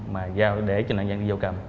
mà để cho nạn nhân đi vô cầm